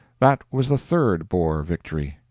That was the third Boer victory.